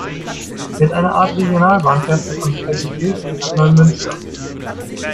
Mit einer Art Regionalbahn fährst du von Kaltenkirchen nach Neumünster.